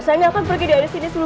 saya bukan gelandangan bu